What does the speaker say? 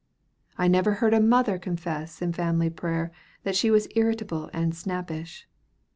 I never heard a mother confess in family prayer that she was irritable and snappish.